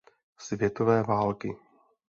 Světové války.